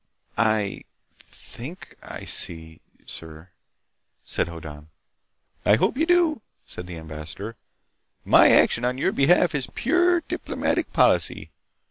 "I ... think I see, sir," said Hoddan. "I hope you do," said the ambassador. "My action on your behalf is pure diplomatic policy.